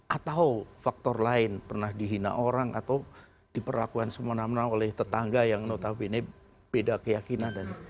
atau faktor lain pernah dihina orang atau diperlakukan semena mena oleh tetangga yang notabene beda keyakinan